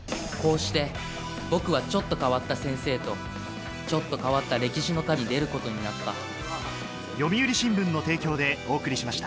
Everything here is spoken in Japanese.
こうして僕はちょっと変わった先生とちょっと変わった歴史の旅に出ることになった